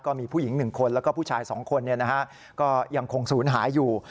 ก็มีผู้หญิง๑คนแล้วก็ผู้ชาย๒คนก็ยังคงศูนย์หายอยู่